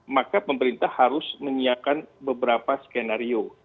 maka pemerintah harus menyiapkan beberapa skenario